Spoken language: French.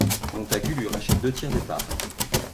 Montagu lui rachète deux tiers des parts.